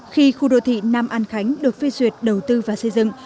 khi khu đô thị nam an khánh được phê duyệt đầu tư và xây dựng